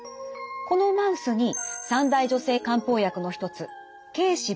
このマウスに三大女性漢方薬の一つ桂枝